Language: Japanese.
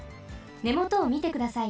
ねもとをみてください。